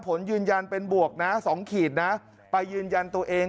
ผลยืนยันเป็นบวกนะ๒ขีดนะไปยืนยันตัวเอง